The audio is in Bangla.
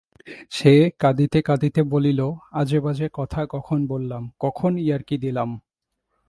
সে কাঁদিতে কাঁদিতে বলিল, আজেবাজে কথা কখন বললাম, কখন ইয়র্কি দিলাম?